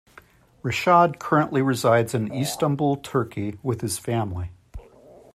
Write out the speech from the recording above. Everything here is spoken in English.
Reshad currently resides in Istanbul, Turkey with his family.